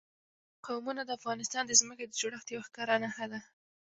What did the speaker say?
قومونه د افغانستان د ځمکې د جوړښت یوه ښکاره نښه ده.